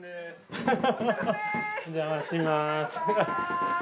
お邪魔します。